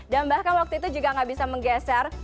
dan bahkan waktu itu juga gak bisa menggeser